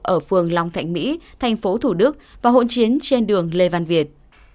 ở phường long thạnh mỹ thành phố thủ đức và hộn chiến trên đường lê văn việt